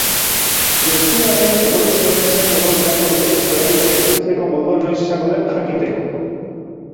Lesioaren eboluzioaren zain egon beharko dute zelaietara itzultzeko moduan noiz izango den jakiteko.